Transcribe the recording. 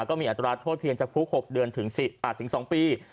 ก็มีอัตราโทษเพียงจะพลุก๖เดือนถึงสิบอ่าถึง๒ปี